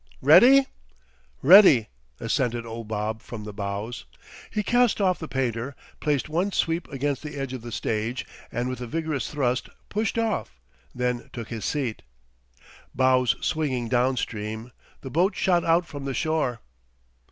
"Ready?" "Ready," assented old Bob from the bows. He cast off the painter, placed one sweep against the edge of the stage, and with a vigorous thrust pushed off; then took his seat. Bows swinging down stream, the boat shot out from the shore.